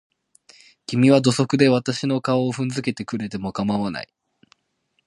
君は土足で私の顔を踏んづけてくれても構わない。